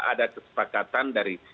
ada kesepakatan dari